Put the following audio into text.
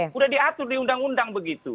sudah diatur di undang undang begitu